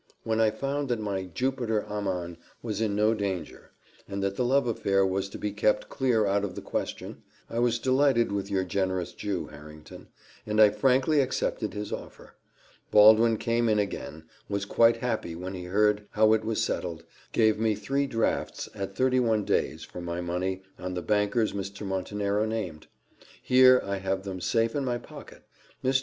"When I found that my Jupiter Amman was in no danger, and that the love affair was to be kept clear out of the question, I was delighted with your generous Jew, Harrington, and I frankly accepted his offer. Baldwin came in again, was quite happy when he heard how it was settled, gave me three drafts at thirty one days for my money on the bankers Mr. Montenero named: here I have them safe in my pocket. Mr.